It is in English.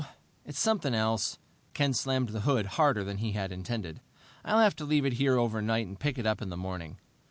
It's something else." Ken slammed the hood harder than he had intended. "I'll have to leave it here overnight and pick it up in the morning."